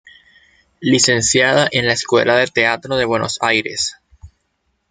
Licenciada en la Escuela de Teatro de Buenos Aires.